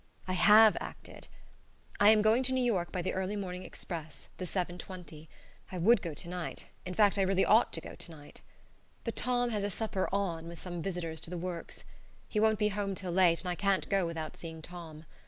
I have acted. I am going to New York by the early morning express the 7.20. I would go to night in fact, I really ought to go to night. But Tom has a supper "on" with some visitors to the Works. He won't be home till late, and I can't go without seeing Tom.